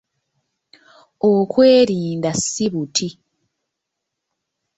Okwerinda si buti.